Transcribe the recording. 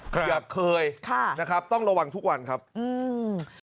อย่าเคยค่ะนะครับต้องระวังทุกวันครับอืม